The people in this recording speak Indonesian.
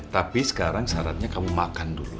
tapi sekarang syaratnya kamu makan dulu